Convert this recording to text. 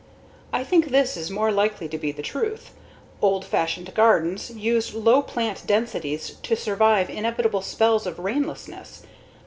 I think this is more likely to be the truth: Old fashioned gardens used low plant densities to survive inevitable spells of rainlessness.